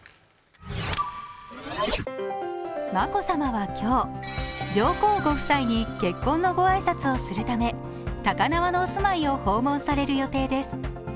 眞子さまは今日、上皇ご夫妻に結婚のご挨拶をするため、高輪のお住まいを訪問される予定です。